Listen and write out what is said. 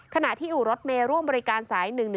ขณะที่อู่รถเมย์ร่วมบริการสาย๑๑๒